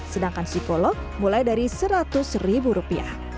sedangkan psikolog mulai dari rp seratus